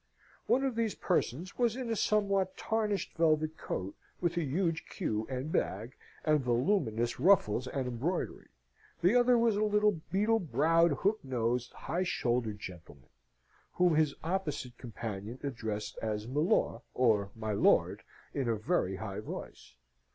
One of these persons was in a somewhat tarnished velvet coat with a huge queue and bag, and voluminous ruffles and embroidery. The other was a little beetle browed, hook nosed, high shouldered gentleman, whom his opposite companion addressed as milor, or my lord, in a very high voice.